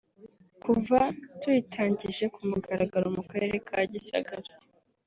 kuva tuyitangije ku mugaragaro mu Karere ka Gisagara